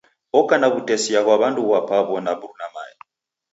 Oko na w'utesia ghwa w'andu w'apwaw'o na mruna mae.